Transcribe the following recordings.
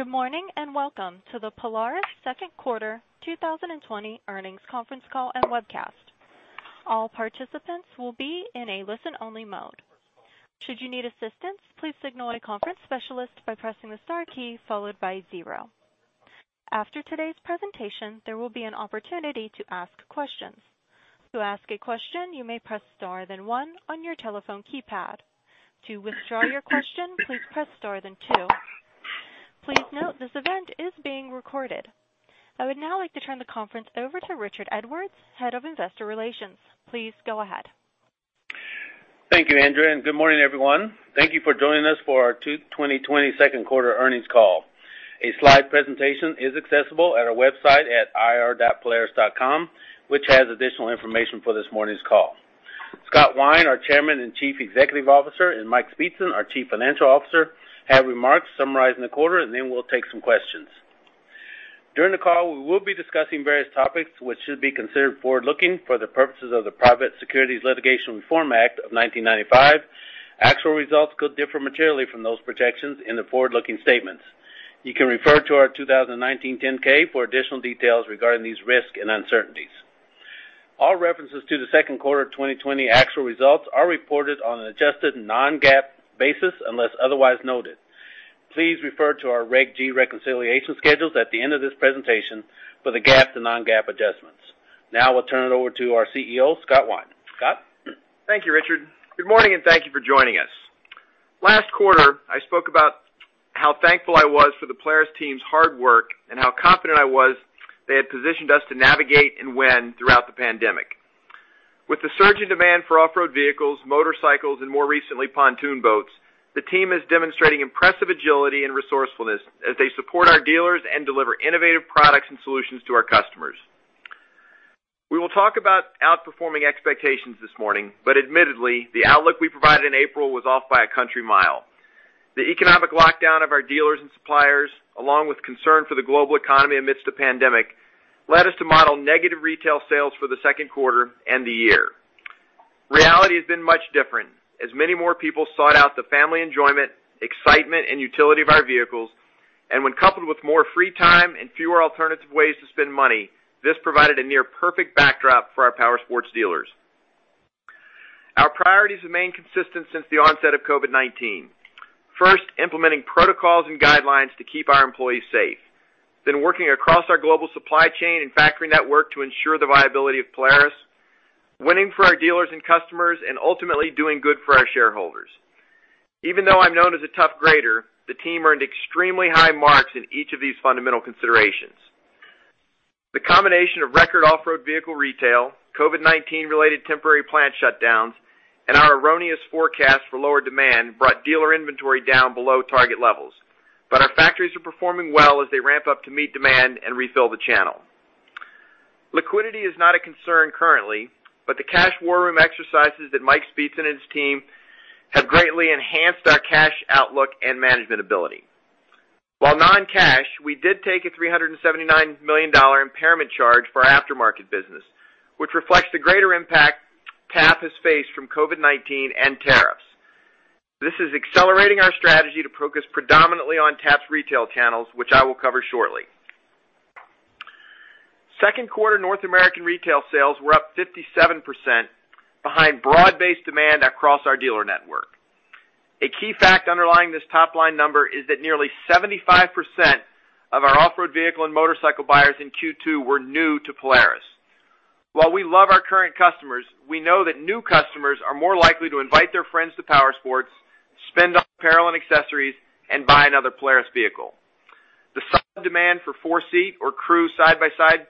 Good morning, welcome to the Polaris second quarter 2020 earnings conference call and webcast. All participants will be in a listen-only mode. Should you need assistance, please signal a conference specialist by pressing the star key followed by zero. After today's presentation, there will be an opportunity to ask questions. To ask a question, you may press star then one on your telephone keypad. To withdraw your question, please press star then two. Please note this event is being recorded. I would now like to turn the conference over to Richard Edwards, Head of Investor Relations. Please go ahead. Thank you, Andrea, good morning, everyone. Thank you for joining us for our 2020 second quarter earnings call. A slide presentation is accessible at our website at ir.polaris.com, which has additional information for this morning's call. Scott Wine, our Chairman and Chief Executive Officer, and Mike Speetzen, our Chief Financial Officer, have remarks summarizing the quarter, and then we'll take some questions. During the call, we will be discussing various topics which should be considered forward-looking for the purposes of the Private Securities Litigation Reform Act of 1995. Actual results could differ materially from those projections in the forward-looking statements. You can refer to our 2019 10-K for additional details regarding these risks and uncertainties. All references to the second quarter 2020 actual results are reported on an adjusted non-GAAP basis unless otherwise noted. Please refer to our Reg G reconciliation schedules at the end of this presentation for the GAAP to non-GAAP adjustments. Now we'll turn it over to our CEO, Scott Wine. Scott? Thank you, Richard. Good morning, thank you for joining us. Last quarter, I spoke about how thankful I was for the Polaris team's hard work and how confident I was they had positioned us to navigate and win throughout the pandemic. With the surge in demand for off-road vehicles, motorcycles, and more recently, pontoon boats, the team is demonstrating impressive agility and resourcefulness as they support our dealers and deliver innovative products and solutions to our customers. We will talk about outperforming expectations this morning, admittedly, the outlook we provided in April was off by a country mile. The economic lockdown of our dealers and suppliers, along with concern for the global economy amidst a pandemic, led us to model negative retail sales for the second quarter and the year. Reality has been much different, as many more people sought out the family enjoyment, excitement, and utility of our vehicles. When coupled with more free time and fewer alternative ways to spend money, this provided a near perfect backdrop for our powersports dealers. Our priorities remain consistent since the onset of COVID-19. First, implementing protocols and guidelines to keep our employees safe. Working across our global supply chain and factory network to ensure the viability of Polaris, winning for our dealers and customers, and ultimately doing good for our shareholders. Even though I'm known as a tough grader, the team earned extremely high marks in each of these fundamental considerations. The combination of record off-road vehicle retail, COVID-19 related temporary plant shutdowns, and our erroneous forecast for lower demand brought dealer inventory down below target levels. Our factories are performing well as they ramp up to meet demand and refill the channel. Liquidity is not a concern currently, the cash war room exercises that Mike Speetzen and his team have greatly enhanced our cash outlook and management ability. While non-cash, we did take a $379 million impairment charge for our aftermarket business, which reflects the greater impact TAP has faced from COVID-19 and tariffs. This is accelerating our strategy to focus predominantly on TAP's retail channels, which I will cover shortly. Second quarter North American retail sales were up 57% behind broad-based demand across our dealer network. A key fact underlying this top-line number is that nearly 75% of our off-road vehicle and motorcycle buyers in Q2 were new to Polaris. While we love our current customers, we know that new customers are more likely to invite their friends to powersports, spend on apparel and accessories, and buy another Polaris vehicle. The demand for four-seat or crew side-by-side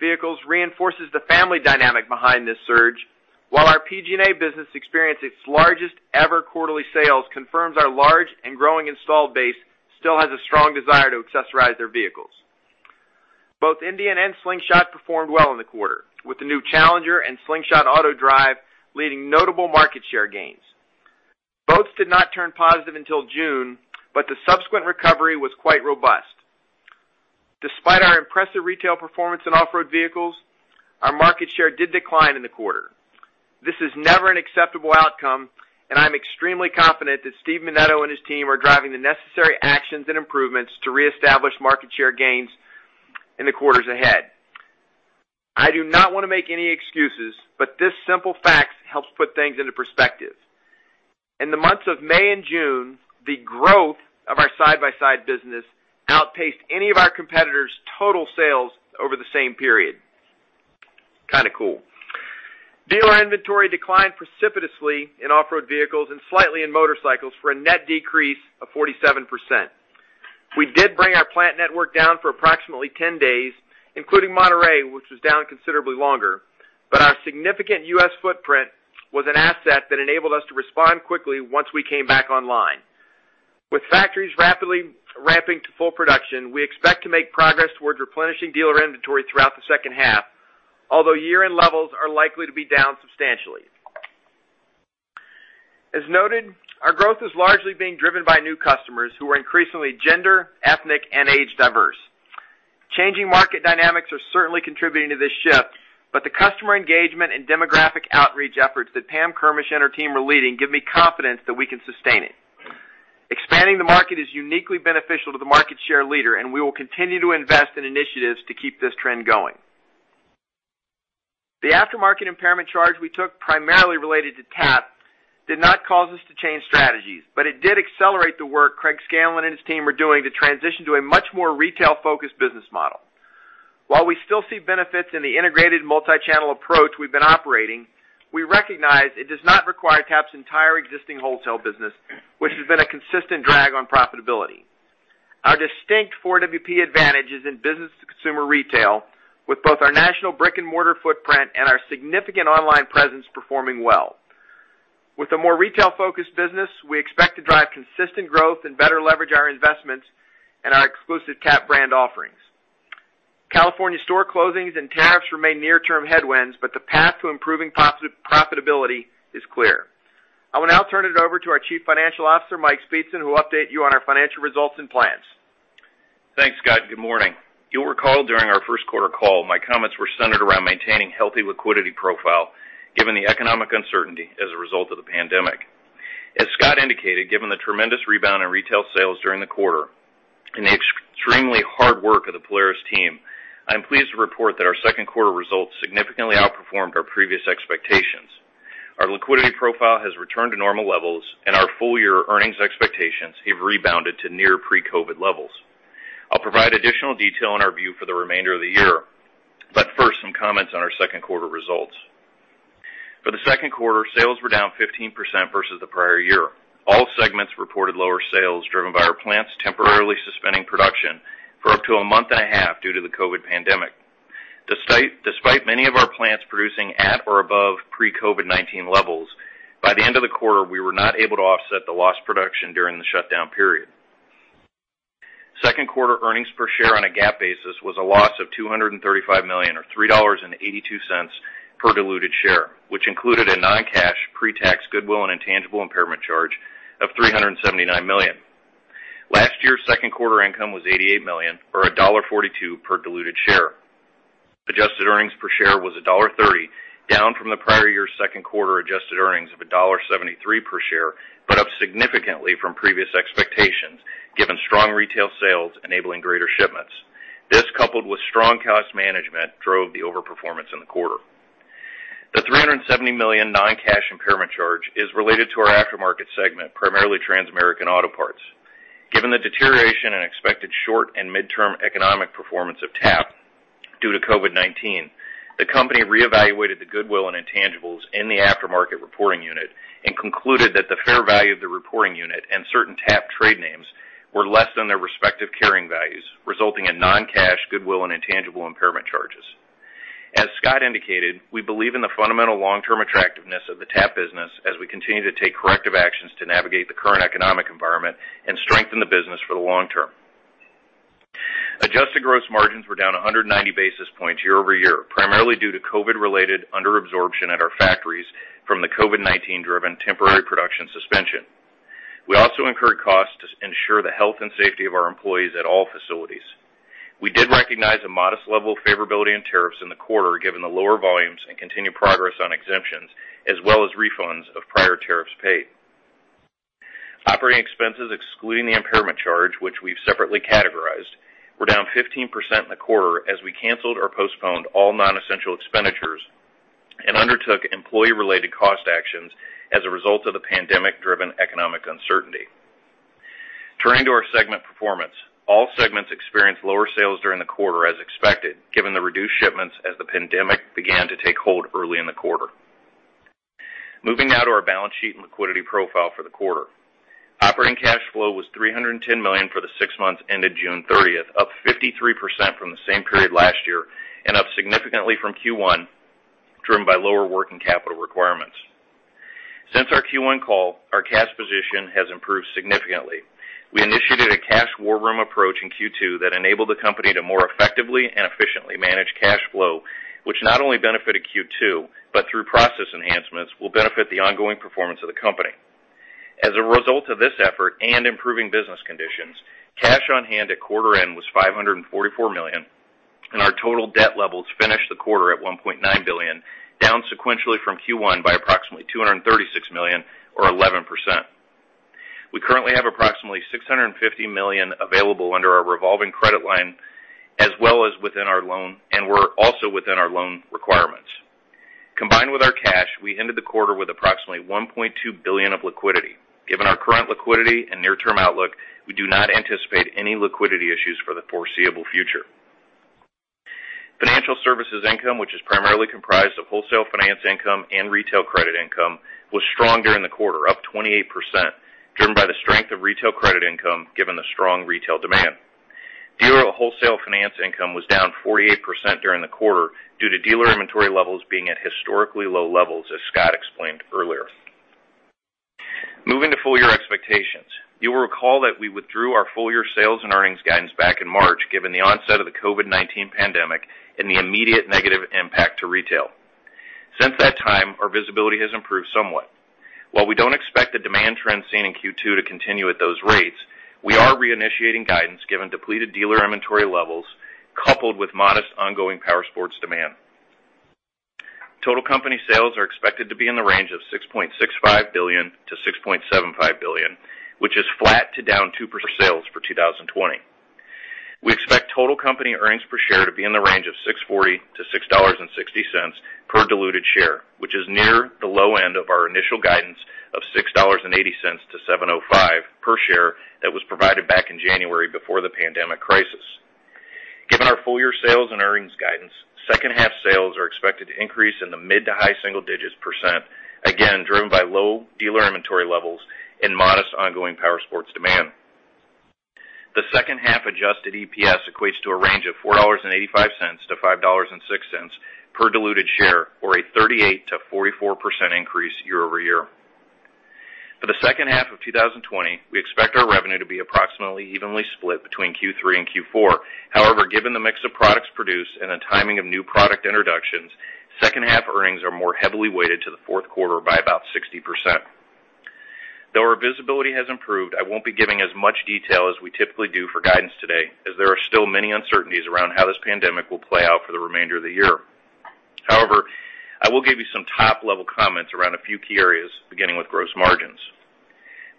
vehicles reinforces the family dynamic behind this surge. While our PG&A business experienced its largest ever quarterly sales confirms our large and growing installed base still has a strong desire to accessorize their vehicles. Both Indian and Slingshot performed well in the quarter, with the new Challenger and Slingshot AutoDrive leading notable market share gains. Both did not turn positive until June. The subsequent recovery was quite robust. Despite our impressive retail performance in off-road vehicles, our market share did decline in the quarter. This is never an acceptable outcome. I'm extremely confident that Steve Menneto and his team are driving the necessary actions and improvements to reestablish market share gains in the quarters ahead. I do not want to make any excuses. This simple fact helps put things into perspective. In the months of May and June, the growth of our side-by-side business outpaced any of our competitors' total sales over the same period. Kind of cool. Dealer inventory declined precipitously in off-road vehicles and slightly in motorcycles for a net decrease of 47%. We did bring our plant network down for approximately 10 days, including Monterrey, which was down considerably longer. Our significant U.S. footprint was an asset that enabled us to respond quickly once we came back online. With factories rapidly ramping to full production, we expect to make progress towards replenishing dealer inventory throughout the second half, although year-end levels are likely to be down substantially. As noted, our growth is largely being driven by new customers who are increasingly gender, ethnic, and age diverse. Changing market dynamics are certainly contributing to this shift, but the customer engagement and demographic outreach efforts that Pam Kermisch and her team are leading give me confidence that we can sustain it. Expanding the market is uniquely beneficial to the market share leader, and we will continue to invest in initiatives to keep this trend going. The aftermarket impairment charge we took primarily related to TAP did not cause us to change strategies, but it did accelerate the work Craig Scanlon and his team are doing to transition to a much more retail-focused business model. While we still see benefits in the integrated multi-channel approach we've been operating, we recognize it does not require TAP's entire existing wholesale business, which has been a consistent drag on profitability. Our distinct 4WP advantage is in business-to-consumer retail with both our national brick and mortar footprint and our significant online presence performing well. With a more retail-focused business, we expect to drive consistent growth and better leverage our investments and our exclusive TAP brand offerings. The path to improving profitability is clear. I will now turn it over to our Chief Financial Officer, Mike Speetzen, who will update you on our financial results and plans. Thanks, Scott. Good morning. You'll recall during our first quarter call, my comments were centered around maintaining healthy liquidity profile given the economic uncertainty as a result of the pandemic. As Scott indicated, given the tremendous rebound in retail sales during the quarter and the extremely hard work of the Polaris team, I'm pleased to report that our second quarter results significantly outperformed our previous expectations. Our liquidity profile has returned to normal levels, and our full-year earnings expectations have rebounded to near pre-COVID levels. I'll provide additional detail on our view for the remainder of the year, but first, some comments on our second quarter results. For the second quarter, sales were down 15% versus the prior year. All segments reported lower sales driven by our plants temporarily suspending production for up to a month and a half due to the COVID pandemic. Despite many of our plants producing at or above pre-COVID-19 levels, by the end of the quarter, we were not able to offset the lost production during the shutdown period. Second quarter earnings per share on a GAAP basis was a loss of $235 million or $3.82 per diluted share, which included a non-cash pre-tax goodwill and intangible impairment charge of $379 million. Last year's second quarter income was $88 million, or $1.42 per diluted share. Adjusted earnings per share was $1.30, down from the prior year's second quarter adjusted earnings of $1.73 per share, but up significantly from previous expectations given strong retail sales enabling greater shipments. This, coupled with strong cost management, drove the over-performance in the quarter. The $379 million non-cash impairment charge is related to our aftermarket segment, primarily Transamerican Auto Parts. Given the deterioration in expected short and midterm economic performance of TAP due to COVID-19, the company reevaluated the goodwill and intangibles in the aftermarket reporting unit and concluded that the fair value of the reporting unit and certain TAP trade names were less than their respective carrying values, resulting in non-cash goodwill and intangible impairment charges. As Scott indicated, we believe in the fundamental long-term attractiveness of the TAP business as we continue to take corrective actions to navigate the current economic environment and strengthen the business for the long term. Adjusted gross margins were down 190 basis points year-over-year, primarily due to COVID-related under-absorption at our factories from the COVID-19 driven temporary production suspension. We also incurred costs to ensure the health and safety of our employees at all facilities. We did recognize a modest level of favorability in tariffs in the quarter given the lower volumes and continued progress on exemptions as well as refunds of prior tariffs paid. Operating expenses excluding the impairment charge, which we've separately categorized, were down 15% in the quarter as we canceled or postponed all non-essential expenditures and undertook employee-related cost actions as a result of the pandemic-driven economic uncertainty. Turning to our segment performance. All segments experienced lower sales during the quarter as expected, given the reduced shipments as the pandemic began to take hold early in the quarter. Moving now to our balance sheet and liquidity profile for the quarter. Operating cash flow was $310 million for the six months ended June 30th, up 53% from the same period last year and up significantly from Q1, driven by lower working capital requirements. Since our Q1 call, our cash position has improved significantly. We initiated a cash war room approach in Q2 that enabled the company to more effectively and efficiently manage cash flow, which not only benefited Q2 but through process enhancements will benefit the ongoing performance of the company. As a result of this effort and improving business conditions, cash on hand at quarter end was $544 million, and our total debt levels finished the quarter at $1.9 billion, down sequentially from Q1 by approximately $236 million or 11%. We currently have approximately $650 million available under our revolving credit line as well as within our loan, and we're also within our loan requirements. Combined with our cash, we ended the quarter with approximately $1.2 billion of liquidity. Given our current liquidity and near-term outlook, we do not anticipate any liquidity issues for the foreseeable future. Financial services income, which is primarily comprised of wholesale finance income and retail credit income, was strong during the quarter, up 28%, driven by the strength of retail credit income given the strong retail demand. Dealer wholesale finance income was down 48% during the quarter due to dealer inventory levels being at historically low levels, as Scott explained earlier. Moving to full-year expectations. You will recall that we withdrew our full-year sales and earnings guidance back in March given the onset of the COVID-19 pandemic and the immediate negative impact to retail. Since that time, our visibility has improved somewhat. While we don't expect the demand trend seen in Q2 to continue at those rates, we are reinitiating guidance given depleted dealer inventory levels, coupled with modest ongoing powersports demand. Total company sales are expected to be in the range of $6.65 billion-$6.75 billion, which is flat to down 2% for sales for 2020. We expect total company earnings per share to be in the range of $6.40-$6.60 per diluted share, which is near the low end of our initial guidance of $6.80-$7.05 per share that was provided back in January before the pandemic crisis. Given our full-year sales and earnings guidance, second half sales are expected to increase in the mid to high single digits percent, again, driven by low dealer inventory levels and modest ongoing powersports demand. The second half adjusted EPS equates to a range of $4.85-$5.06 per diluted share, or a 38%-44% increase year-over-year. For the second half of 2020, we expect our revenue to be approximately evenly split between Q3 and Q4. Given the mix of products produced and the timing of new product introductions, second half earnings are more heavily weighted to the fourth quarter by about 60%. Though our visibility has improved, I won't be giving as much detail as we typically do for guidance today, as there are still many uncertainties around how this pandemic will play out for the remainder of the year. I will give you some top-level comments around a few key areas, beginning with gross margins.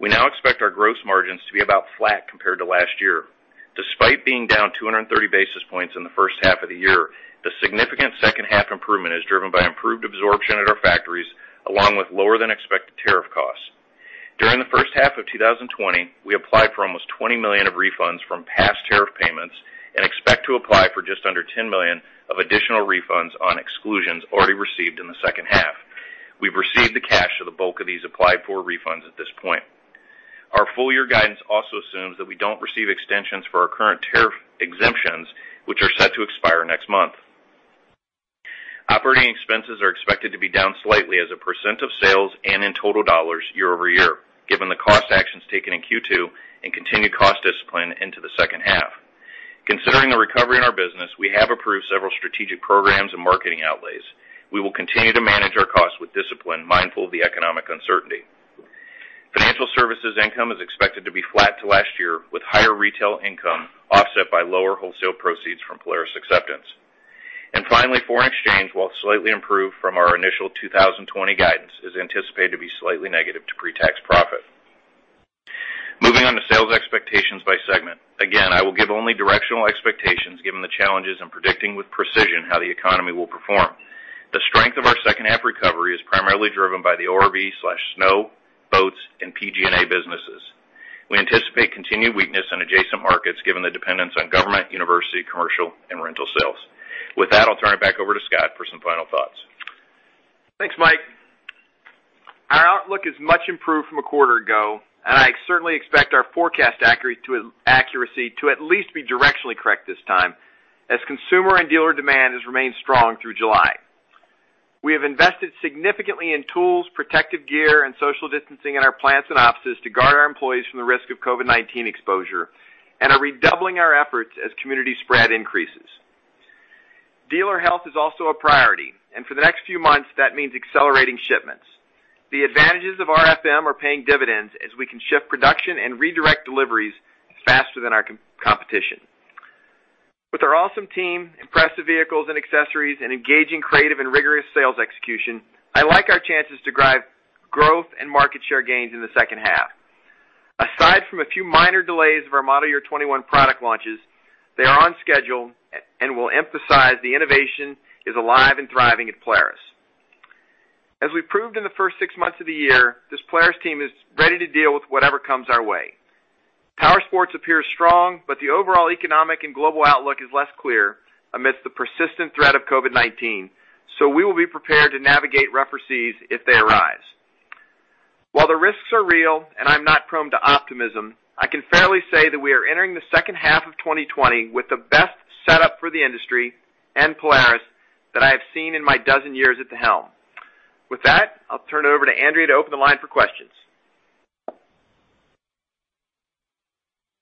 We now expect our gross margins to be about flat compared to last year. Despite being down 230 basis points in the first half of the year, the significant second half improvement is driven by improved absorption at our factories, along with lower than expected tariff costs. During the first half of 2020, we applied for almost $20 million of refunds from past tariff payments and expect to apply for just under $10 million of additional refunds on exclusions already received in the second half. We've received the cash for the bulk of these applied for refunds at this point. Our full-year guidance also assumes that we don't receive extensions for our current tariff exemptions, which are set to expire next month. Operating expenses are expected to be down slightly as a percent of sales and in total dollars year-over-year, given the cost actions taken in Q2 and continued cost discipline into the second half. Considering the recovery in our business, we have approved several strategic programs and marketing outlays. We will continue to manage our costs with discipline, mindful of the economic uncertainty. Financial services income is expected to be flat to last year, with higher retail income offset by lower wholesale proceeds from Polaris Acceptance. Finally, foreign exchange, while slightly improved from our initial 2020 guidance, is anticipated to be slightly negative to pre-tax profit. Moving on to sales expectations by segment. Again, I will give only directional expectations, given the challenges in predicting with precision how the economy will perform. The strength of our second half recovery is primarily driven by the ORV/snow, boats, and PG&A businesses. We anticipate continued weakness in adjacent markets, given the dependence on government, university, commercial, and rental sales. With that, I'll turn it back over to Scott for some final thoughts. Thanks, Mike. Our outlook is much improved from a quarter ago, and I certainly expect our forecast accuracy to at least be directionally correct this time, as consumer and dealer demand has remained strong through July. We have invested significantly in tools, protective gear, and social distancing in our plants and offices to guard our employees from the risk of COVID-19 exposure and are redoubling our efforts as community spread increases. Dealer health is also a priority and for the next few months, that means accelerating shipments. The advantages of RFM are paying dividends as we can ship production and redirect deliveries faster than our competition. With our awesome team, impressive vehicles and accessories, and engaging, creative, and rigorous sales execution, I like our chances to drive growth and market share gains in the second half. Aside from a few minor delays of our model year 2021 product launches, they are on schedule and will emphasize the innovation is alive and thriving at Polaris. As we proved in the first six months of the year, this Polaris team is ready to deal with whatever comes our way. The overall economic and global outlook is less clear amidst the persistent threat of COVID-19. We will be prepared to navigate rougher seas if they arise. While the risks are real and I'm not prone to optimism, I can fairly say that we are entering the second half of 2020 with the best setup for the industry and Polaris that I have seen in my dozen years at the helm. With that, I'll turn it over to Andrea to open the line for questions.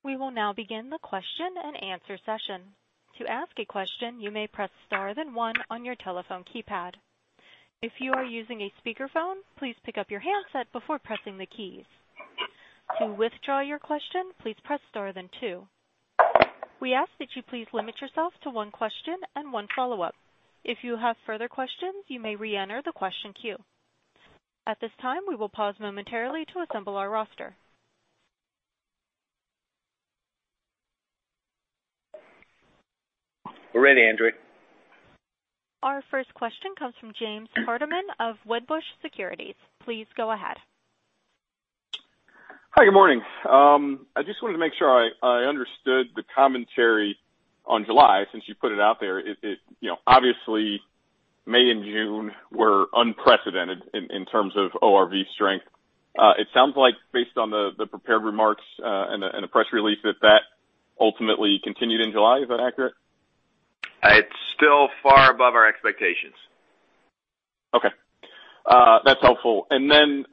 We will now begin the question and answer session. To ask a question, you may press star then one on your telephone keypad. If you are using a speakerphone, please pick up your handset before pressing the keys. To withdraw your question, please press star then two. We ask that you please limit yourself to one question and one follow-up. If you have further questions, you may re-enter the question queue. At this time, we will pause momentarily to assemble our roster. We're ready, Andrea. Our first question comes from James Hardiman of Wedbush Securities. Please go ahead. Hi, good morning. I just wanted to make sure I understood the commentary on July, since you put it out there. Obviously, May and June were unprecedented in terms of ORV strength. It sounds like based on the prepared remarks and the press release that that ultimately continued in July. Is that accurate? It's still far above our expectations. Okay. That's helpful. Then,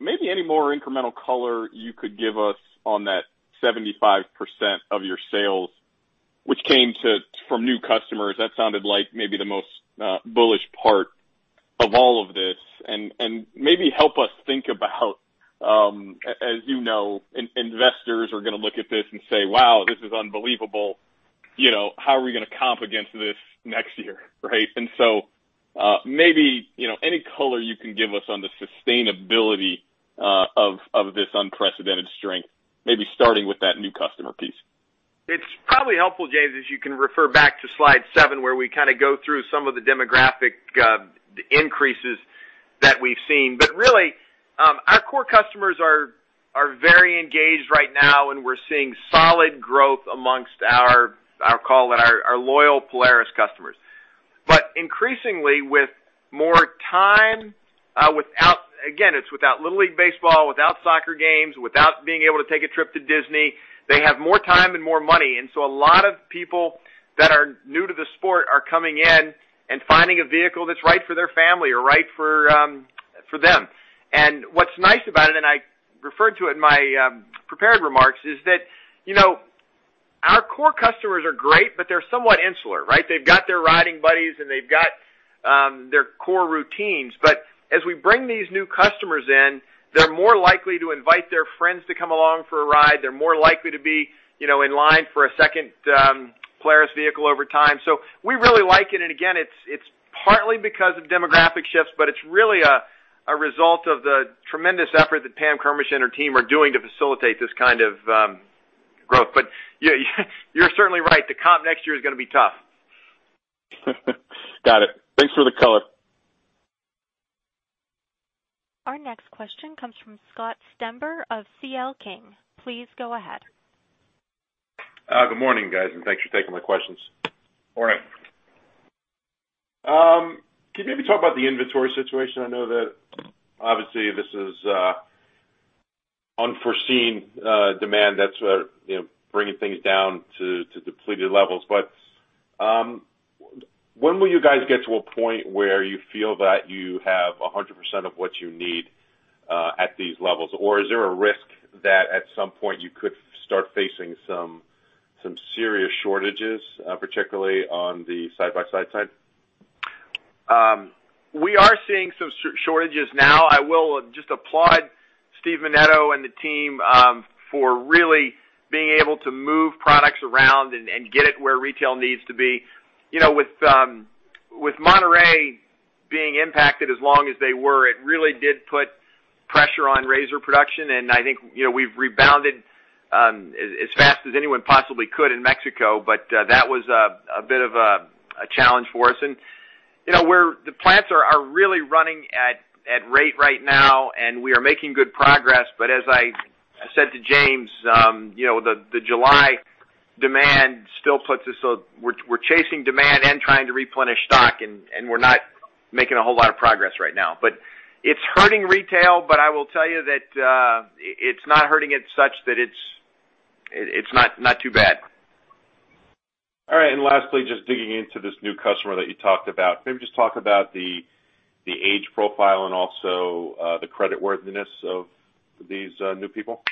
maybe any more incremental color you could give us on that 75% of your sales? Which came from new customers. That sounded like maybe the most bullish part of all of this. Maybe help us think about, as you know, investors are going to look at this and say, wow, this is unbelievable, how are we going to comp against this next year? Right? Maybe any color you can give us on the sustainability of this unprecedented strength, maybe starting with that new customer piece. It's probably helpful, James, as you can refer back to slide seven, where we kind of go through some of the demographic increases that we've seen. Really, our core customers are very engaged right now, and we're seeing solid growth amongst our, I'll call it, our loyal Polaris customers. Increasingly, with more time, again, it's without Little League baseball, without soccer games, without being able to take a trip to Disney. They have more time and more money. A lot of people that are new to the sport are coming in and finding a vehicle that's right for their family or right for them. What's nice about it, and I referred to it in my prepared remarks, is that our core customers are great, but they're somewhat insular, right? They've got their riding buddies and they've got their core routines. As we bring these new customers in, they're more likely to invite their friends to come along for a ride. They're more likely to be in line for a second Polaris vehicle over time. We really like it. Again, it's partly because of demographic shifts, but it's really a result of the tremendous effort that Pam Kermisch and her team are doing to facilitate this kind of growth. You're certainly right, the comp next year is going to be tough. Got it. Thanks for the color. Our next question comes from Scott Stember of C.L. King. Please go ahead. Good morning, guys. Thanks for taking my questions. Can you maybe talk about the inventory situation? I know that obviously this is unforeseen demand that's bringing things down to depleted levels. When will you guys get to a point where you feel that you have 100% of what you need at these levels? Is there a risk that at some point you could start facing some serious shortages, particularly on the side-by-side side? We are seeing some shortages now. I will just applaud Steve Menneto and the team for really being able to move products around and get it where retail needs to be. With Monterrey being impacted as long as they were, it really did put pressure on RZR production, and I think we've rebounded as fast as anyone possibly could in Mexico. That was a bit of a challenge for us. The plants are really running at rate right now, and we are making good progress. As I said to James, the July demand still puts us, we're chasing demand and trying to replenish stock, and we're not making a whole lot of progress right now. It's hurting retail, I will tell you that it's not hurting it such that it's not too bad. All right. Lastly, just digging into this new customer that you talked about. Maybe just talk about the age profile and also the creditworthiness of these new people.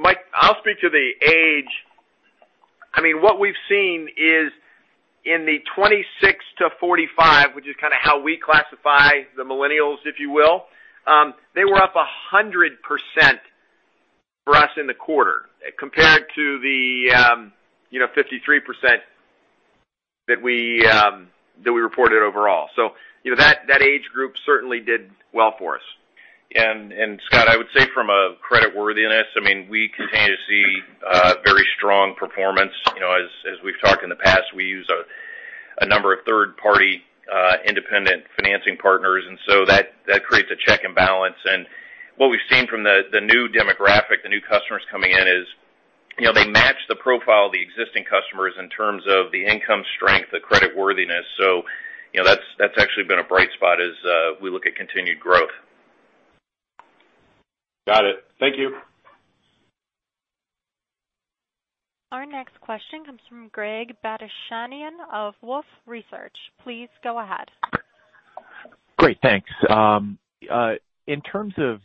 Mike, I'll speak to the age. What we've seen is in the 26 to 45, which is kind of how we classify the millennials, if you will, they were up 100% for us in the quarter compared to the 53% that we reported overall. That age group certainly did well for us. Scott, I would say from a creditworthiness, we continue to see very strong performance. As we've talked in the past, we use a number of third-party independent financing partners, that creates a check and balance. What we've seen from the new demographic, the new customers coming in is they match the profile of the existing customers in terms of the income strength, the creditworthiness. That's actually been a bright spot as we look at continued growth. Got it. Thank you. Our next question comes from Greg Badishkanian of Wolfe Research. Please go ahead. Great, thanks. In terms of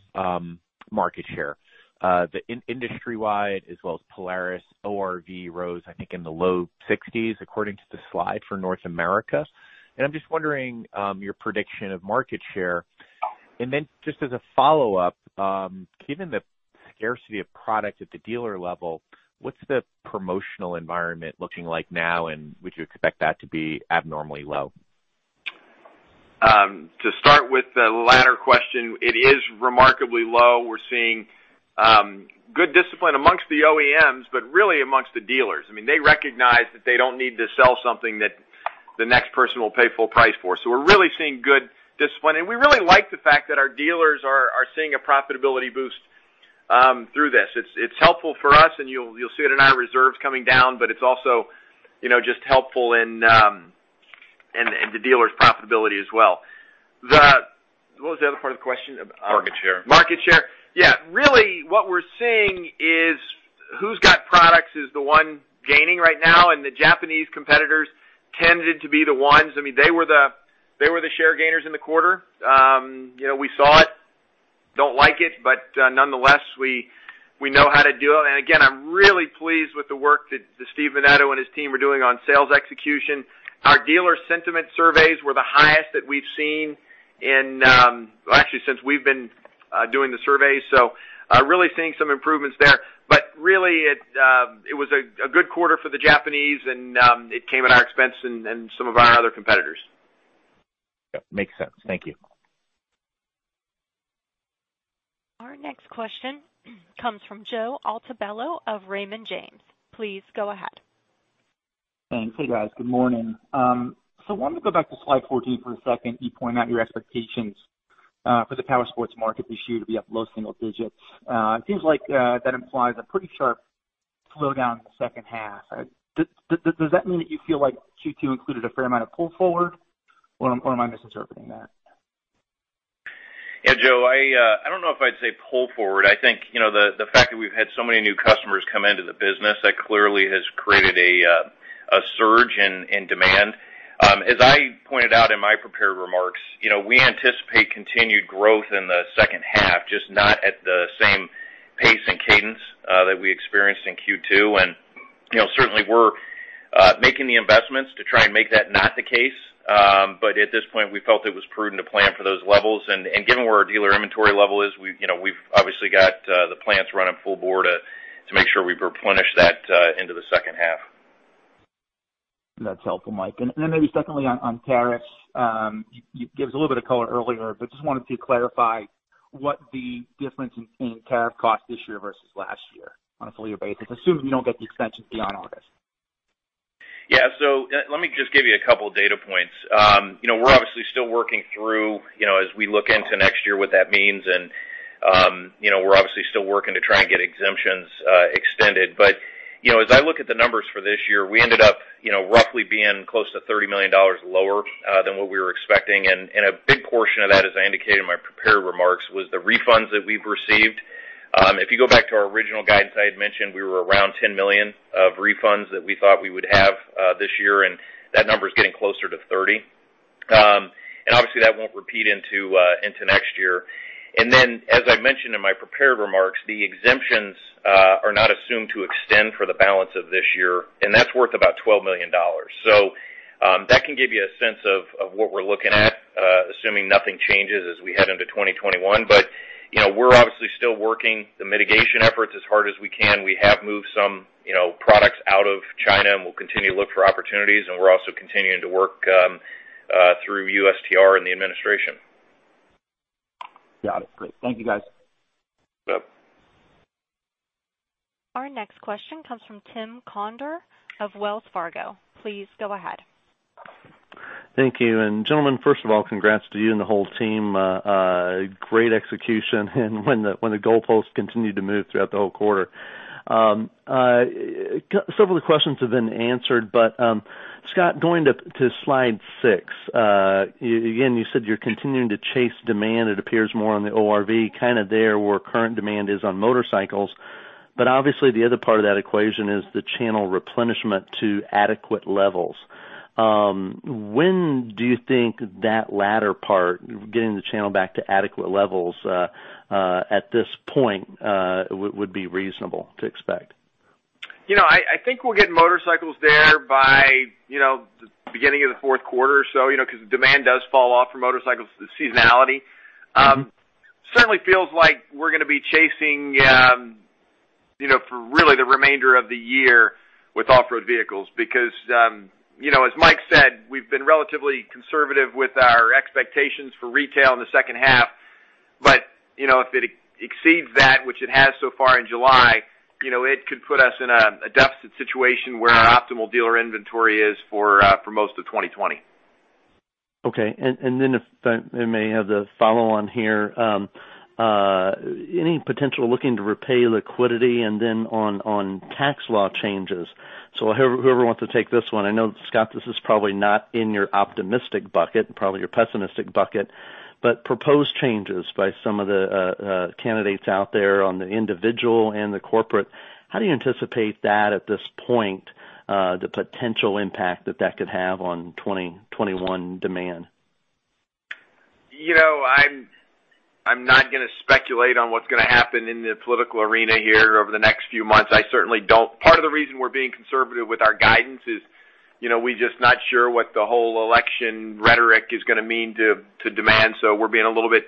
market share, the industry-wide as well as Polaris ORV rose, I think in the low 60%, according to the slide for North America. I'm just wondering your prediction of market share. Just as a follow-up, given the scarcity of product at the dealer level, what's the promotional environment looking like now, and would you expect that to be abnormally low? To start with the latter question, it is remarkably low. We're seeing good discipline amongst the OEMs, really amongst the dealers. They recognize that they don't need to sell something that the next person will pay full price for. We're really seeing good discipline, and we really like the fact that our dealers are seeing a profitability boost through this. It's helpful for us, and you'll see it in our reserves coming down, it's also just helpful in the dealers' profitability as well. What was the other part of the question? Market share. Market share. Yeah. Really what we're seeing is who's got products is the one gaining right now. The Japanese competitors tended to be the ones. They were the share gainers in the quarter. We saw it. Nonetheless, we know how to do it. Again, I'm really pleased with the work that Steve Menneto and his team are doing on sales execution. Our dealer sentiment surveys were the highest that we've seen, well, actually, since we've been doing the surveys. Really seeing some improvements there. Really, it was a good quarter for the Japanese, and it came at our expense and some of our other competitors. Yep. Makes sense. Thank you. Our next question comes from Joe Altobello of Raymond James. Please go ahead. Thanks. Hey, guys. Good morning. Why don't we go back to slide 14 for a second. You point out your expectations for the powersports market this year to be up low single digits. It seems like that implies a pretty sharp slowdown in the second half. Does that mean that you feel like Q2 included a fair amount of pull forward, or am I misinterpreting that? Yeah, Joe, I don't know if I'd say pull forward. I think, the fact that we've had so many new customers come into the business, that clearly has created a surge in demand. As I pointed out in my prepared remarks, we anticipate continued growth in the second half, just not at the same pace and cadence that we experienced in Q2. Certainly, we're making the investments to try and make that not the case. At this point, we felt it was prudent to plan for those levels. Given where our dealer inventory level is, we've obviously got the plants running full board to make sure we replenish that into the second half. That's helpful, Mike. Then maybe secondly on tariffs. You gave us a little bit of color earlier, but just wanted to clarify what the difference in tariff cost this year versus last year on a full year basis, assuming we don't get the extensions beyond August. Yeah. Let me just give you a couple data points. We're obviously still working through as we look into next year, what that means. We're obviously still working to try and get exemptions extended. As I look at the numbers for this year, we ended up roughly being close to $30 million lower than what we were expecting. A big portion of that, as I indicated in my prepared remarks, was the refunds that we've received. If you go back to our original guidance, I had mentioned we were around $10 million of refunds that we thought we would have this year, and that number is getting closer to $30 million. Obviously, that won't repeat into next year. As I mentioned in my prepared remarks, the exemptions are not assumed to extend for the balance of this year, and that's worth about $12 million. That can give you a sense of what we're looking at, assuming nothing changes as we head into 2021. We're obviously still working the mitigation efforts as hard as we can. We have moved some products out of China, and we'll continue to look for opportunities, and we're also continuing to work through USTR and the administration. Got it. Great. Thank you, guys. Our next question comes from Tim Conder of Wells Fargo. Please go ahead. Thank you. Gentlemen, first of all, congrats to you and the whole team. Great execution and when the goalposts continued to move throughout the whole quarter. Several of the questions have been answered, Scott, going to slide six. Again, you said you're continuing to chase demand. It appears more on the ORV, kind of there where current demand is on motorcycles. Obviously, the other part of that equation is the channel replenishment to adequate levels. When do you think that latter part, getting the channel back to adequate levels, at this point, would be reasonable to expect? I think we'll get motorcycles there by the beginning of the fourth quarter or so because demand does fall off for motorcycles seasonality. Certainly feels like we're going to be chasing for really the remainder of the year with off-road vehicles. Because as Mike said, we've been relatively conservative with our expectations for retail in the second half. But if it exceeds that, which it has so far in July, it could put us in a deficit situation where our optimal dealer inventory is for most of 2020. Okay. If I may have the follow on here. Any potential looking to repay liquidity and then on tax law changes. Whoever wants to take this one. I know, Scott, this is probably not in your optimistic bucket, probably your pessimistic bucket. Proposed changes by some of the candidates out there on the individual and the corporate. How do you anticipate that at this point? The potential impact that that could have on 2021 demand. I'm not going to speculate on what's going to happen in the political arena here over the next few months. Part of the reason we're being conservative with our guidance is we're just not sure what the whole election rhetoric is going to mean to demand. We're being a little bit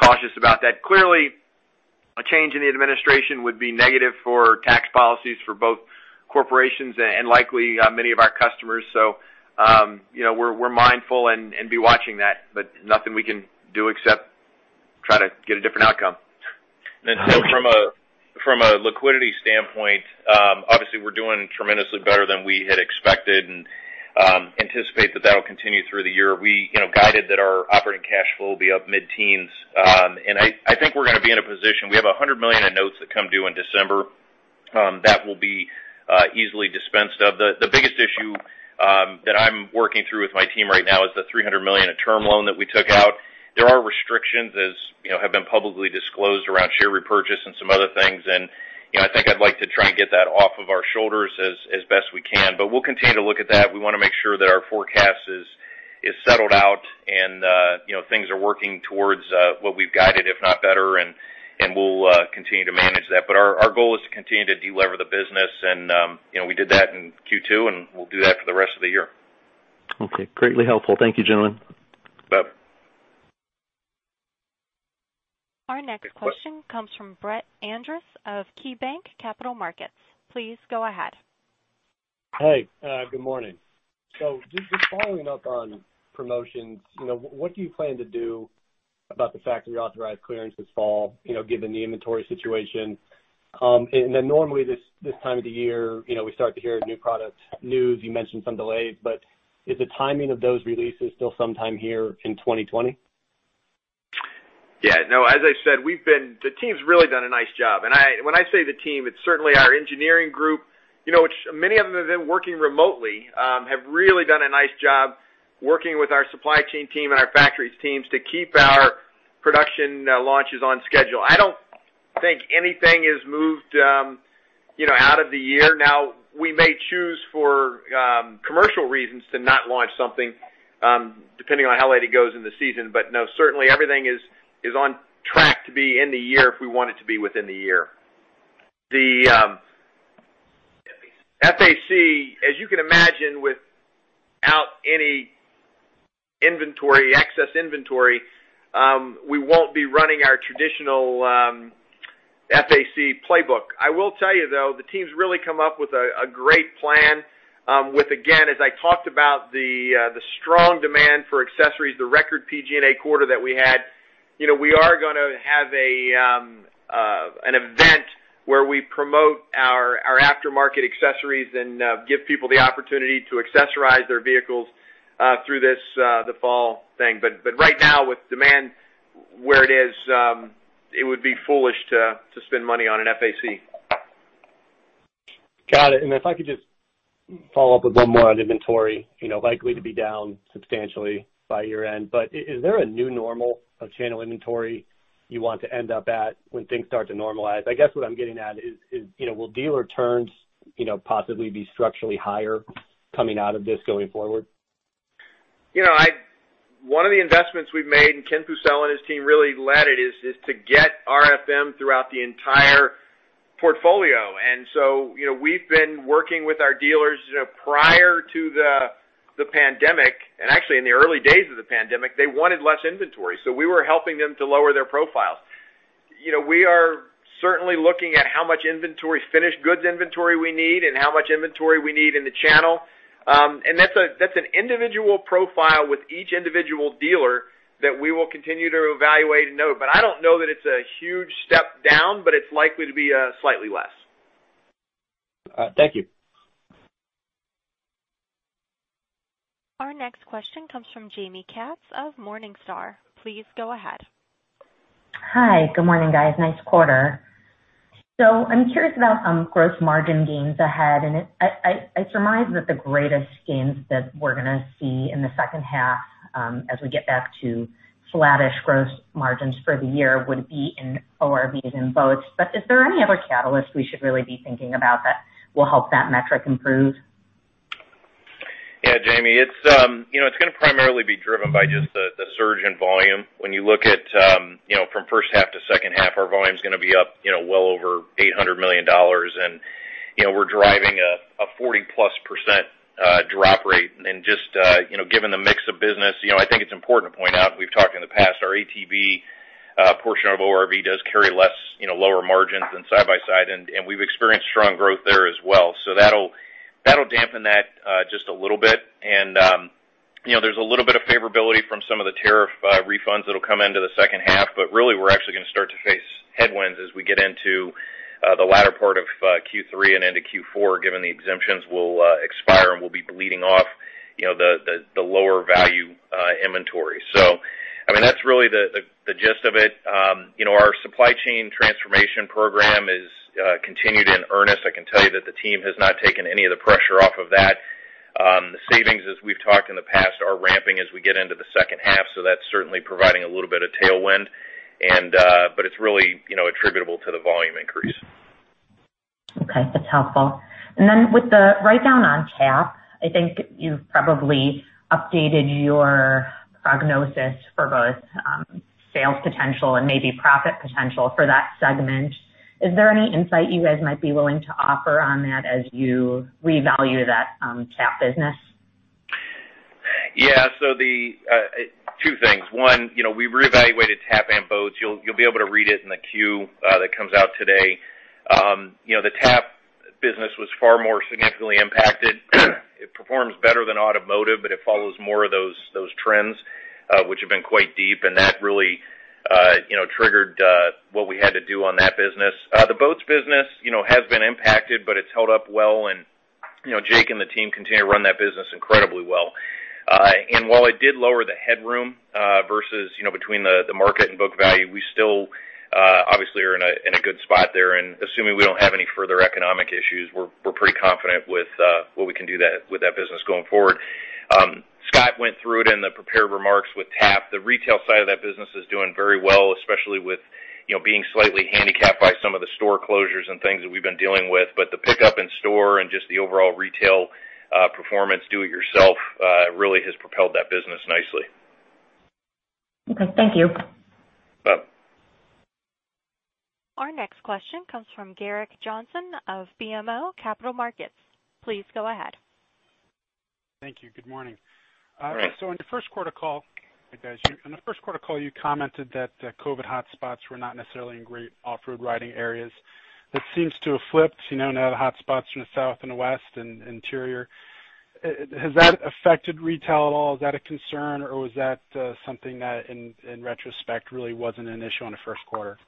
cautious about that. Clearly, a change in the administration would be negative for tax policies for both corporations and likely many of our customers. We're mindful and be watching that, but nothing we can do except try to get a different outcome. From a liquidity standpoint, obviously, we're doing tremendously better than we had expected and anticipate that will continue through the year. We guided that our operating cash flow will be up mid-teens. I think we're going to be in a position, we have $100 million in notes that come due in December. That will be easily dispensed of. The biggest issue that I'm working through with my team right now is the $300 million term loan that we took out. There are restrictions, as have been publicly disclosed around share repurchase and some other things. I think I'd like to try and get that off of our shoulders as best we can. We'll continue to look at that. We want to make sure that our forecast is settled out and things are working towards what we've guided, if not better, and we'll continue to manage that. Our goal is to continue to de-lever the business, and we did that in Q2, and we'll do that for the rest of the year. Okay. Greatly helpful. Thank you, gentlemen. Our next question comes from Brett Andress of KeyBanc Capital Markets. Please go ahead. Hey, good morning. Just following up on promotions. What do you plan to do about the factory authorized clearance this fall, given the inventory situation? Normally this time of the year, we start to hear new product news. You mentioned some delays, but is the timing of those releases still sometime here in 2020? Yeah, no, as I said, the team's really done a nice job. When I say the team, it's certainly our engineering group, which many of them have been working remotely, have really done a nice job working with our supply chain team and our factories teams to keep our production launches on schedule. I don't think anything is moved out of the year. Now, we may choose for commercial reasons to not launch something, depending on how late it goes in the season. No, certainly everything is on track to be in the year if we want it to be within the year. The FAC, as you can imagine, without any excess inventory, we won't be running our traditional FAC playbook. I will tell you, though, the team's really come up with a great plan, with, again, as I talked about the strong demand for accessories, the record PG&A quarter that we had. We are going to have an event where we promote our aftermarket accessories and give people the opportunity to accessorize their vehicles through the fall thing. Right now, with demand where it is, it would be foolish to spend money on an FAC. Got it. If I could just follow up with one more on inventory, likely to be down substantially by year-end, but is there a new normal of channel inventory you want to end up at when things start to normalize? I guess what I'm getting at is, will dealer turns possibly be structurally higher coming out of this going forward? One of the investments we've made, Ken Pucel and his team really led it, is to get RFM throughout the entire portfolio. We've been working with our dealers prior to the pandemic, and actually in the early days of the pandemic, they wanted less inventory. We were helping them to lower their profiles. We are certainly looking at how much inventory, finished goods inventory we need, and how much inventory we need in the channel. That's an individual profile with each individual dealer that we will continue to evaluate and know. I don't know that it's a huge step down, but it's likely to be slightly less. All right. Thank you. Our next question comes from Jaime Katz of Morningstar. Please go ahead. Hi. Good morning, guys. Nice quarter. I'm curious about gross margin gains ahead. I surmise that the greatest gains that we're going to see in the second half, as we get back to flattish gross margins for the year would be in ORVs and boats. Is there any other catalyst we should really be thinking about that will help that metric improve? Jaime, it's going to primarily be driven by just the surge in volume. When you look at from first half to second half, our volume's going to be up well over $800 million and we're driving a 40%+ drop rate. Just given the mix of business, I think it's important to point out, we've talked in the past, our ATV portion of ORV does carry lower margins than side-by-side, and we've experienced strong growth there as well. That'll dampen that just a little bit. There's a little bit of favorability from some of the tariff refunds that'll come into the second half, but really, we're actually going to start to face headwinds as we get into the latter part of Q3 and into Q4, given the exemptions will expire, and we'll be bleeding off the lower value inventory. That's really the gist of it. Our supply chain transformation program is continued in earnest. I can tell you that the team has not taken any of the pressure off of that. The savings, as we've talked in the past, are ramping as we get into the second half, so that's certainly providing a little bit of tailwind. It's really attributable to the volume increase. Okay. That's helpful. Then with the write-down on TAP, I think you've probably updated your prognosis for both sales potential and maybe profit potential for that segment. Is there any insight you guys might be willing to offer on that as you revalue that TAP business? Two things. One, we reevaluated TAP and boats. You'll be able to read it in the [Form 10-Q] that comes out today. The TAP business was far more significantly impacted. It performs better than automotive, but it follows more of those trends, which have been quite deep, and that really triggered what we had to do on that business. The Boats business has been impacted, but it's held up well, and Jake and the team continue to run that business incredibly well. While it did lower the headroom versus between the market and book value, we still obviously are in a good spot there. Assuming we don't have any further economic issues, we're pretty confident with what we can do with that business going forward. Scott went through it in the prepared remarks with TAP. The retail side of that business is doing very well, especially with being slightly handicapped by some of the store closures and things that we've been dealing with. The pickup in store and just the overall retail performance, do-it-yourself, really has propelled that business nicely. Okay, thank you. Our next question comes from Gerrick Johnson of BMO Capital Markets. Please go ahead. Thank you. Good morning. [Good morning] In the first quarter call, you commented that the COVID hotspots were not necessarily in great off-road riding areas. That seems to have flipped, now the hotspots are in the south and the west and interior. Has that affected retail at all? Is that a concern or was that something that, in retrospect, really wasn't an issue in the first quarter?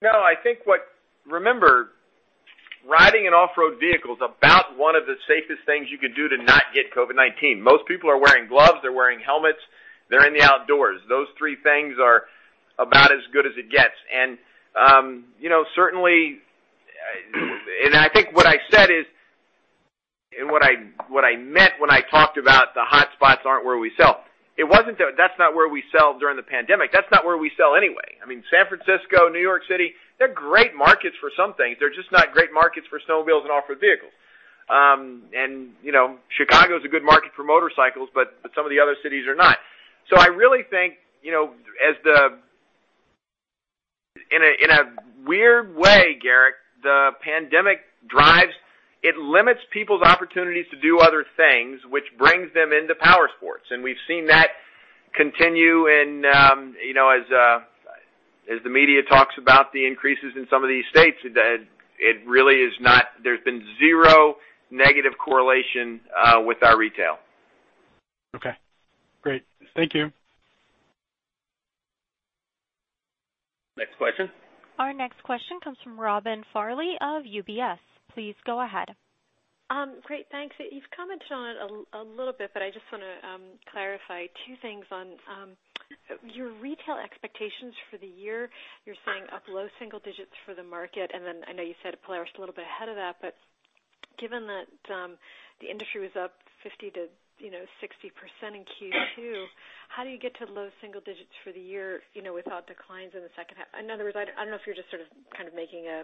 No. Remember, riding an off-road vehicle is about one of the safest things you could do to not get COVID-19. Most people are wearing gloves, they're wearing helmets, they're in the outdoors. Those three things are about as good as it gets. I think what I said is, and what I meant when I talked about the hotspots aren't where we sell. That's not where we sell during the pandemic. That's not where we sell anyway. San Francisco, New York City, they're great markets for some things. They're just not great markets for snowmobiles and off-road vehicles. Chicago's a good market for motorcycles, but some of the other cities are not. I really think, in a weird way, Gerrick, the pandemic limits people's opportunities to do other things, which brings them into powersports. We've seen that continue in, as the media talks about the increases in some of these states, there's been zero negative correlation with our retail. Okay, great. Thank you. Next question. Our next question comes from Robin Farley of UBS. Please go ahead. Great, thanks. You've commented on it a little bit, but I just want to clarify two things on your retail expectations for the year. You're saying up low single digits for the market, and then I know you said Polaris is a little bit ahead of that, but given that the industry was up 50%-60% in Q2, how do you get to low single digits for the year without declines in the second half? In other words, I don't know if you're just sort of kind of making a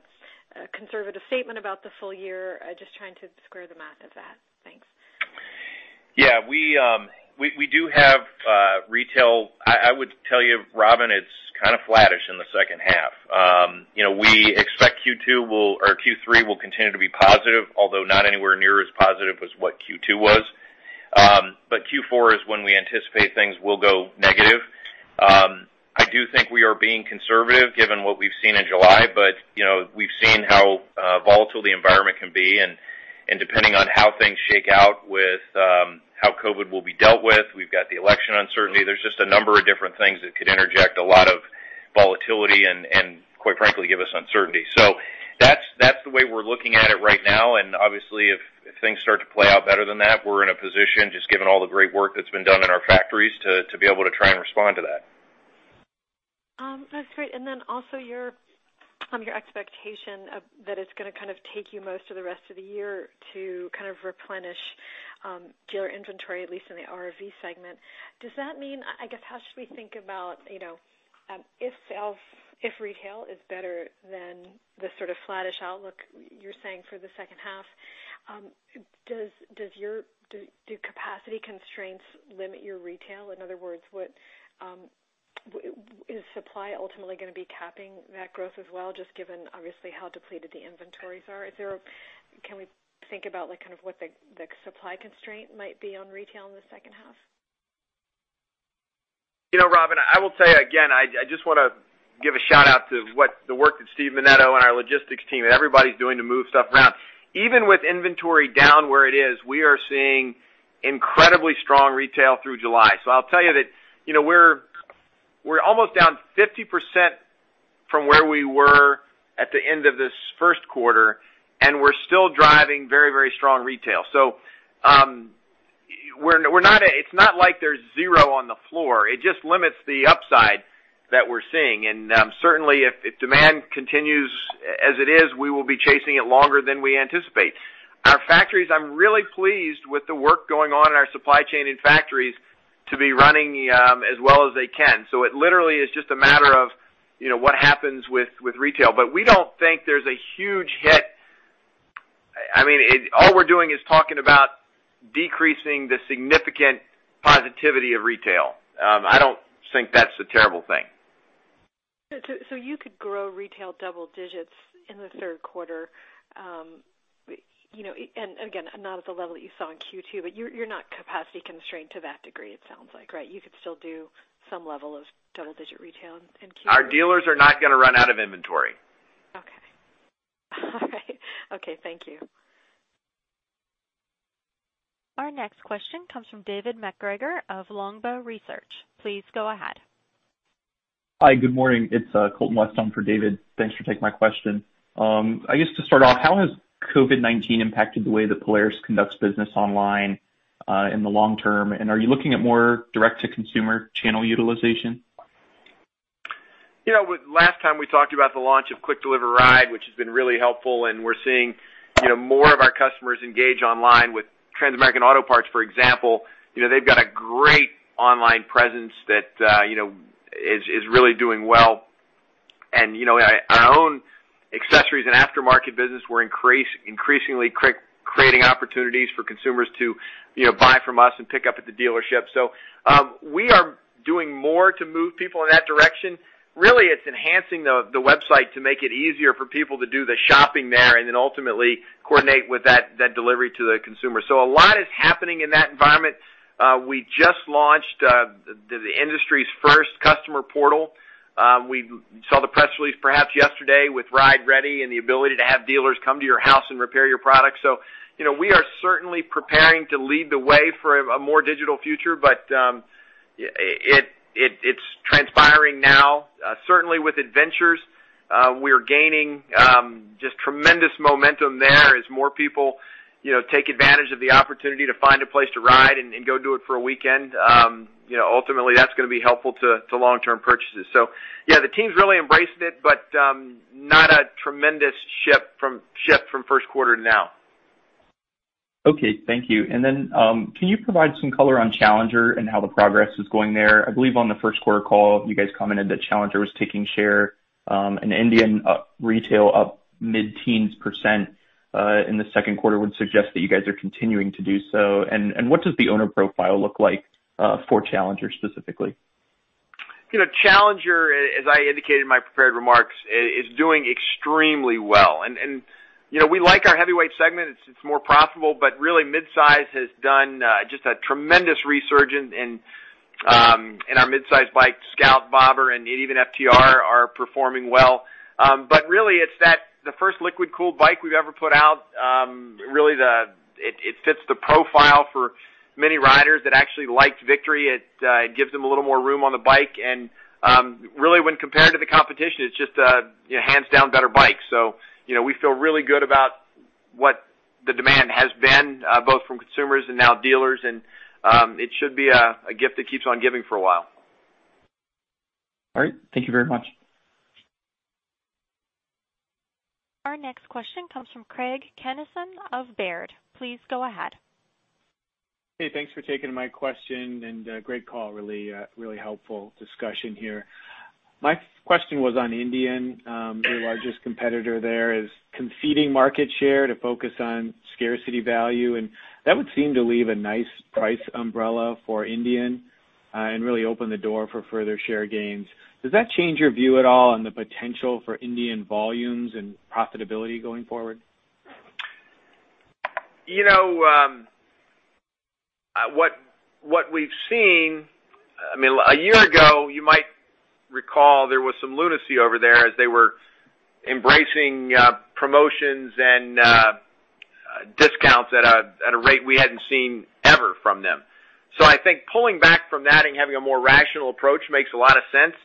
conservative statement about the full year. Just trying to square the math of that. Thanks. Yeah. We do have retail. I would tell you, Robin, it's kind of flattish in the second half. We expect Q3 will continue to be positive, although not anywhere near as positive as what Q2 was. Q4 is when we anticipate things will go negative. I do think we are being conservative given what we've seen in July, but we've seen how volatile the environment can be and depending on how things shake out with how COVID-19 will be dealt with, we've got the election uncertainty. There's just a number of different things that could interject a lot of volatility and quite frankly give us uncertainty. That's the way we're looking at it right now and obviously if things start to play out better than that, we're in a position just given all the great work that's been done in our factories to be able to try and respond to that. That's great. Then also from your expectation that it's going to kind of take you most of the rest of the year to kind of replenish dealer inventory, at least in the ORV segment. Does that mean, I guess how should we think about if retail is better than the sort of flattish outlook you're saying for the second half, do capacity constraints limit your retail? In other words, is supply ultimately going to be capping that growth as well, just given obviously how depleted the inventories are? Can we think about kind of what the supply constraint might be on retail in the second half? Robin, I will tell you again, I just want to give a shout-out to the work that Steve Menneto and our logistics team and everybody's doing to move stuff around. Even with inventory down where it is, we are seeing incredibly strong retail through July. I'll tell you that we're almost down 50% from where we were at the end of this first quarter, and we're still driving very strong retail. It's not like there's zero on the floor. It just limits the upside that we're seeing. Certainly if demand continues as it is, we will be chasing it longer than we anticipate. Our factories, I'm really pleased with the work going on in our supply chain and factories to be running as well as they can. It literally is just a matter of what happens with retail. We don't think there's a huge hit. All we're doing is talking about decreasing the significant positivity of retail. I don't think that's a terrible thing. You could grow retail double digits in the third quarter. Again, not at the level that you saw in Q2, but you're not capacity constrained to that degree it sounds like, right? You could still do some level of double digit retail in Q4. Our dealers are not going to run out of inventory. Okay. All right. Okay. Thank you. Our next question comes from David MacGregor of Longbow Research. Please go ahead. Hi, good morning. It's Colton West for David. Thanks for taking my question. I guess to start off, how has COVID-19 impacted the way that Polaris conducts business online, in the long term? Are you looking at more direct-to-consumer channel utilization? Last time we talked about the launch of Click. Deliver. Ride. Which has been really helpful, and we're seeing more of our customers engage online with Transamerican Auto Parts, for example. They've got a great online presence that is really doing well. Aftermarket business, we're increasingly creating opportunities for consumers to buy from us and pick up at the dealership. We are doing more to move people in that direction. Really, it's enhancing the website to make it easier for people to do the shopping there and then ultimately coordinate with that delivery to the consumer. A lot is happening in that environment. We just launched the industry's first customer portal. We saw the press release perhaps yesterday with RideReady and the ability to have dealers come to your house and repair your product. We are certainly preparing to lead the way for a more digital future, but it's transpiring now. Certainly, with Adventures, we're gaining just tremendous momentum there as more people take advantage of the opportunity to find a place to ride and go do it for a weekend. Ultimately, that's going to be helpful to long-term purchases. Yeah, the team's really embracing it, but not a tremendous shift from first quarter to now. Okay, thank you. Can you provide some color on Challenger and how the progress is going there? I believe on the first quarter call, you guys commented that Challenger was taking share in Indian retail up mid-teens percent. In the second quarter would suggest that you guys are continuing to do so. What does the owner profile look like for Challenger specifically? Challenger, as I indicated in my prepared remarks, is doing extremely well. We like our heavyweight segment. It's more profitable, but really mid-size has done just a tremendous resurgence in our mid-size bikes, Scout Bobber, and even FTR are performing well. Really it's the first liquid-cooled bike we've ever put out. Really, it fits the profile for many riders that actually liked Victory. It gives them a little more room on the bike and really when compared to the competition, it's just a hands down better bike. We feel really good about what the demand has been both from consumers and now dealers and it should be a gift that keeps on giving for a while. All right. Thank you very much. Our next question comes from Craig Kennison of Baird. Please go ahead. Hey, thanks for taking my question and great call. Really helpful discussion here. My question was on Indian. Your largest competitor there is conceding market share to focus on scarcity value. That would seem to leave a nice price umbrella for Indian and really open the door for further share gains. Does that change your view at all on the potential for Indian volumes and profitability going forward? What we've seen. A year ago, you might recall there was some lunacy over there as they were embracing promotions and discounts at a rate we hadn't seen ever from them. I think pulling back from that and having a more rational approach makes a lot of sense.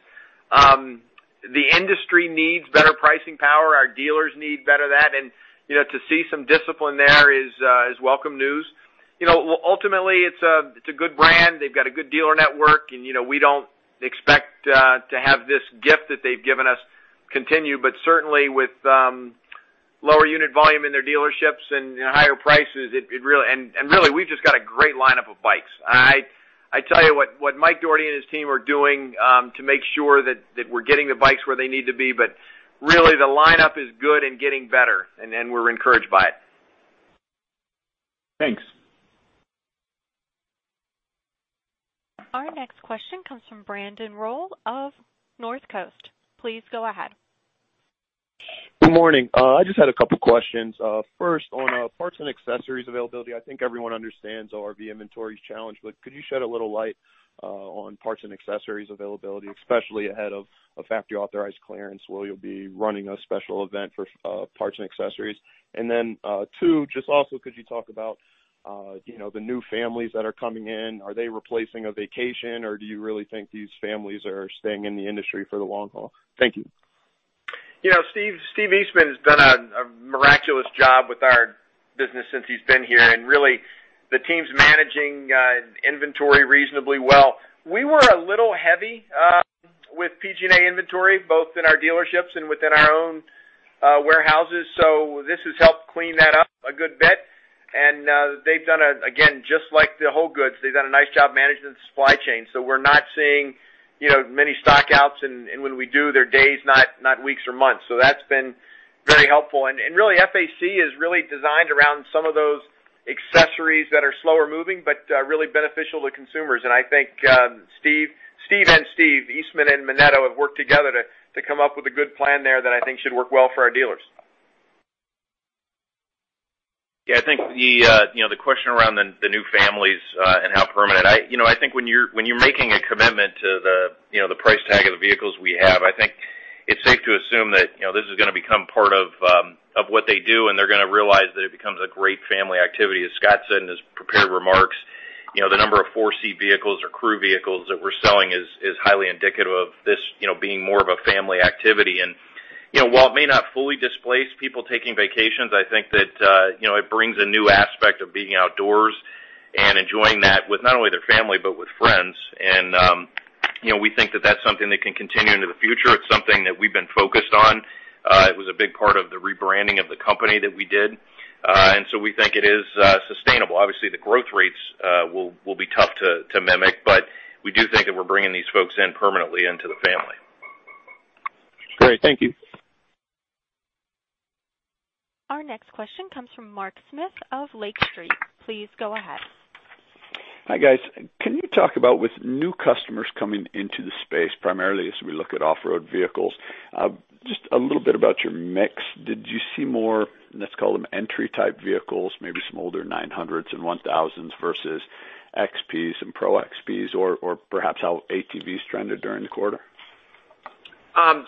The industry needs better pricing power. Our dealers need better that and to see some discipline there is welcome news. Ultimately, it's a good brand. They've got a good dealer network and we don't expect to have this gift that they've given us continue, but certainly with lower unit volume in their dealerships and higher prices, and really, we've just got a great lineup of bikes. I tell you what Mike Dougherty and his team are doing to make sure that we're getting the bikes where they need to be, but really the lineup is good and getting better and we're encouraged by it. Thanks. Our next question comes from Brandon Rollé of Northcoast. Please go ahead. Good morning. I just had a couple questions. First, on parts and accessories availability. I think everyone understands ORV inventory's challenge, but could you shed a little light on parts and accessories availability, especially ahead of factory authorized clearance? Will you be running a special event for parts and accessories? Two, just also, could you talk about the new families that are coming in? Are they replacing a vacation or do you really think these families are staying in the industry for the long haul? Thank you. Steve Eastman has done a miraculous job with our business since he's been here and really the team's managing inventory reasonably well. We were a little heavy with PG&A inventory, both in our dealerships and within our own warehouses. This has helped clean that up a good bit. They've done, again, just like the whole goods, they've done a nice job managing the supply chain. We're not seeing many stock outs and when we do, they're days, not weeks or months. That's been very helpful. Really, FAC is really designed around some of those accessories that are slower-moving, but really beneficial to consumers. I think Steve and Steve, Eastman and Menneto, have worked together to come up with a good plan there that I think should work well for our dealers. Yeah, I think the question around the new families. I think when you're making a commitment to the price tag of the vehicles we have, I think it's safe to assume that this is going to become part of what they do and they're going to realize that it becomes a great family activity. As Scott said in his prepared remarks, the number of four-seat vehicles or crew vehicles that we're selling is highly indicative of this being more of a family activity. While it may not fully displace people taking vacations, I think that it brings a new aspect of being outdoors and enjoying that with not only their family, but with friends. We think that that's something that can continue into the future. It's something that we've been focused on. It was a big part of the rebranding of the company that we did. We think it is sustainable. Obviously, the growth rates will be tough to mimic. We do think that we're bringing these folks in permanently into the family. Great. Thank you. Our next question comes from Mark Smith of Lake Street. Please go ahead. Hi, guys. Can you talk about with new customers coming into the space, primarily as we look at off-road vehicles, just a little bit about your mix. Did you see more, let's call them entry type vehicles, maybe some older 900s and 1000s versus XPs and Pro XPs, or perhaps how ATVs trended during the quarter?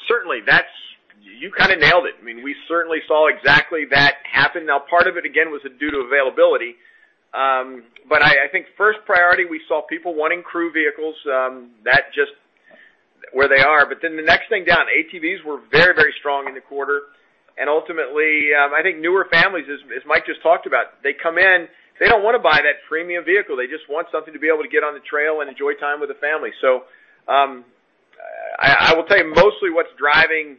Certainly. You kind of nailed it. We certainly saw exactly that happen. Part of it, again, was due to availability. I think first priority, we saw people wanting crew vehicles. That just where they are. The next thing down, ATVs were very strong in the quarter. Ultimately, I think newer families, as Mike just talked about, they come in, they don't want to buy that premium vehicle. They just want something to be able to get on the trail and enjoy time with the family. I will tell you, mostly what's driving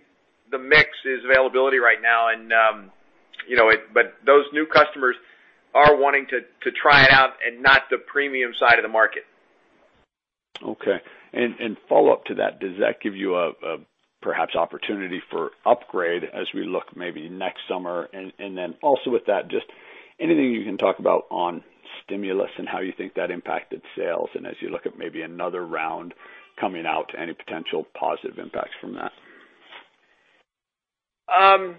the mix is availability right now. Those new customers are wanting to try it out and not the premium side of the market. Okay. Follow-up to that, does that give you a perhaps opportunity for upgrade as we look maybe next summer? Also with that, just anything you can talk about on stimulus and how you think that impacted sales, and as you look at maybe another round coming out, any potential positive impacts from that? I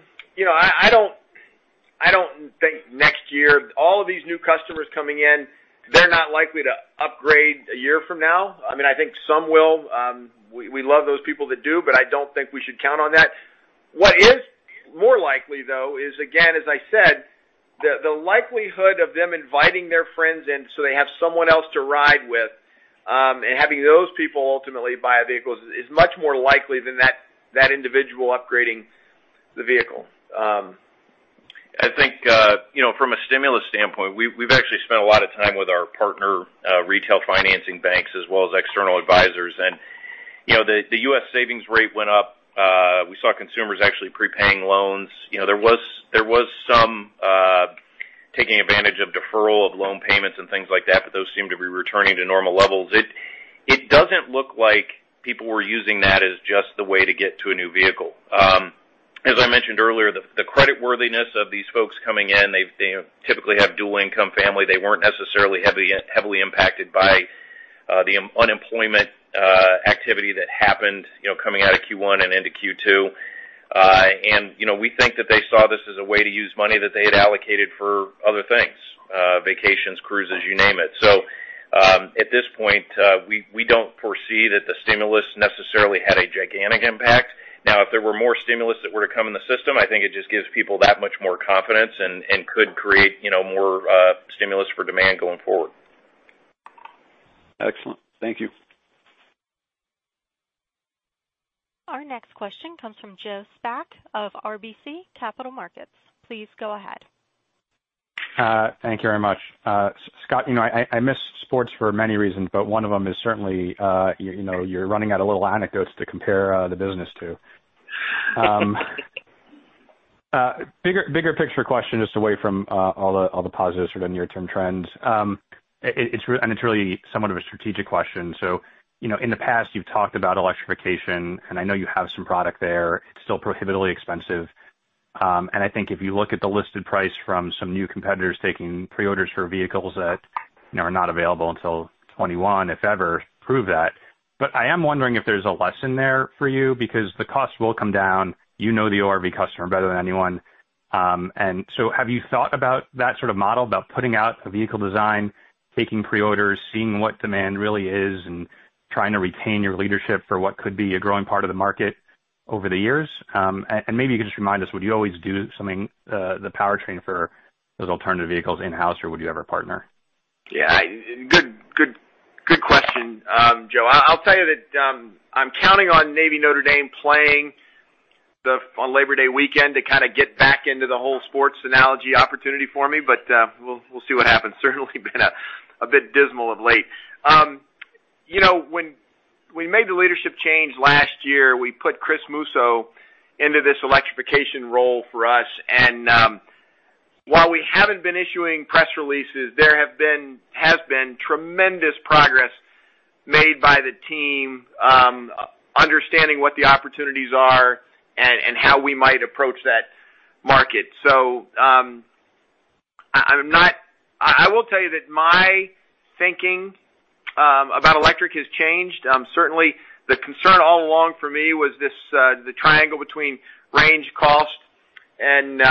don't think next year, all of these new customers coming in, they're not likely to upgrade a year from now. I think some will. We love those people that do, but I don't think we should count on that. What is more likely, though, is, again, as I said, the likelihood of them inviting their friends in so they have someone else to ride with. Having those people ultimately buy a vehicle is much more likely than that individual upgrading the vehicle. I think, from a stimulus standpoint, we've actually spent a lot of time with our partner retail financing banks as well as external advisors. The U.S. savings rate went up. We saw consumers actually prepaying loans. There was some taking advantage of deferral of loan payments and things like that, but those seem to be returning to normal levels. It doesn't look like people were using that as just the way to get to a new vehicle. As I mentioned earlier, the credit worthiness of these folks coming in, they typically have dual income family. They weren't necessarily heavily impacted by the unemployment activity that happened coming out of Q1 and into Q2. We think that they saw this as a way to use money that they had allocated for other things, vacations, cruises, you name it. At this point, we don't foresee that the stimulus necessarily had a gigantic impact. If there were more stimulus that were to come in the system, I think it just gives people that much more confidence and could create more stimulus for demand going forward. Excellent. Thank you. Our next question comes from Joe Spak of RBC Capital Markets. Please go ahead. Thank you very much. Scott, I miss sports for many reasons, but one of them is certainly you're running out of little anecdotes to compare the business to. Bigger picture question, just away from all the positives or the near-term trends. It's really somewhat of a strategic question. In the past, you've talked about electrification, and I know you have some product there. It's still prohibitively expensive, and I think if you look at the listed price from some new competitors taking pre-orders for vehicles that are not available until 2021, if ever, prove that. I am wondering if there's a lesson there for you because the cost will come down. You know the ORV customer better than anyone. Have you thought about that sort of model, about putting out a vehicle design, taking pre-orders, seeing what demand really is, and trying to retain your leadership for what could be a growing part of the market over the years? Maybe you could just remind us, would you always do something, the powertrain for those alternative vehicles in-house, or would you have a partner? Yeah. Good question, Joe. I'll tell you that I'm counting on Navy Notre Dame playing on Labor Day weekend to kind of get back into the whole sports analogy opportunity for me, but we'll see what happens. It's certainly been a bit dismal of late. When we made the leadership change last year, we put Chris Musso into this electrification role for us. While we haven't been issuing press releases, there has been tremendous progress made by the team understanding what the opportunities are and how we might approach that market. I will tell you that my thinking about electric has changed. Certainly, the concern all along for me was the triangle between range, cost, and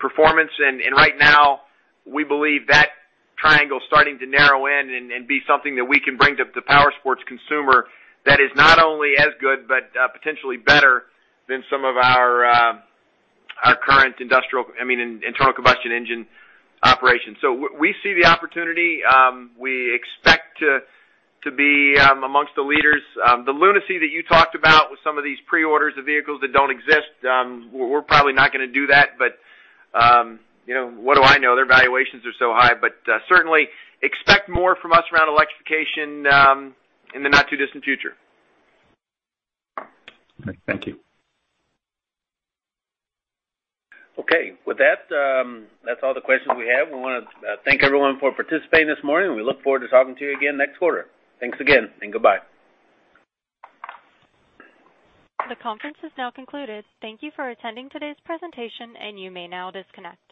performance. Right now, we believe that triangle's starting to narrow in and be something that we can bring to the powersports consumer that is not only as good, but potentially better than some of our current internal combustion engine operations. We see the opportunity. We expect to be amongst the leaders. The lunacy that you talked about with some of these pre-orders of vehicles that don't exist, we're probably not going to do that. What do I know? Their valuations are so high. Certainly expect more from us around electrification in the not-too-distant future. Thank you. Okay. With that's all the questions we have. We want to thank everyone for participating this morning, and we look forward to talking to you again next quarter. Thanks again, and goodbye. The conference is now concluded. Thank you for attending today's presentation. You may now disconnect.